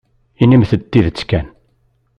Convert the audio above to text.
Inimt-d tidet kan.